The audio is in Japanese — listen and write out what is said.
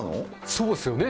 そうですよね。